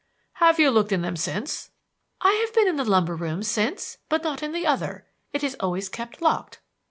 "Have you looked in them since?" "I have been in the lumber room since, but not in the other. It is always kept locked."